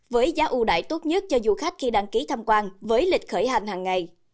với giá ưu đại tốt nhất cho du khách khi đăng ký tham quan với lịch khởi hành hàng ngày